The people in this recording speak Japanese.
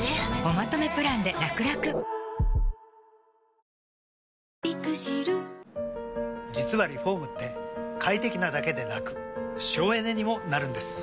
毎日コツコツからだのこと実はリフォームって快適なだけでなく省エネにもなるんです。